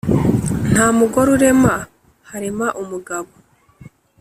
nta mugore urema, harema umugabo.